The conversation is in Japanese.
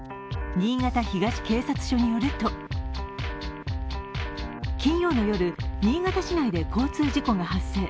新潟東警察署によると、金曜の夜、新潟市内で交通事故が発生。